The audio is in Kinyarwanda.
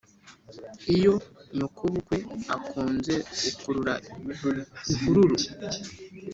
iyo nyokobukwe akunze ukurura ihururu.